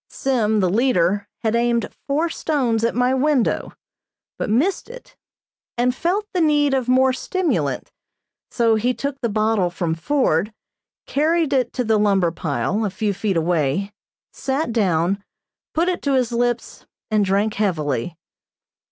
Sim, the leader, had aimed four stones at my window, but missed it, and felt the need of more stimulant, so he took the bottle from Ford, carried it to the lumber pile, a few feet away, sat down, put it to his lips and drank heavily.